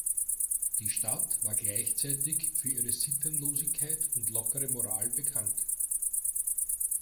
Die Stadt war gleichzeitig für ihre Sittenlosigkeit und lockere Moral bekannt.